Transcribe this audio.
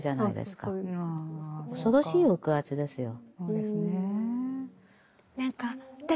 恐ろしい抑圧ですよ。